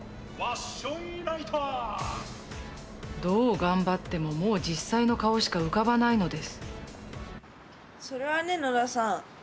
どう頑張ってももう実際の顔しか浮かばないのですそれはね野田さん